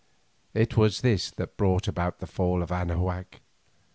It was this that brought about the fall of Anahuac.